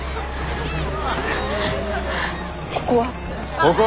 ここは？